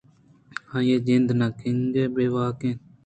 آئی ءِ جند نہ گیگ ءُبے واک اَت